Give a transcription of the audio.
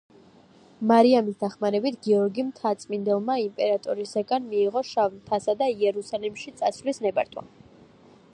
მარიამის დახმარებით, გიორგი მთაწმიდელმა იმპერატორისაგან მიიღო შავ მთასა და იერუსალიმში წასვლის ნებართვა.